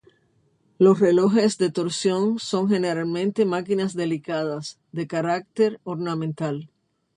Los relojes de torsión son generalmente máquinas delicadas, de carácter ornamental.